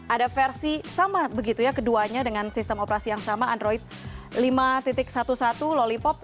ada versi sama begitu ya keduanya dengan sistem operasi yang sama android lima sebelas loly pop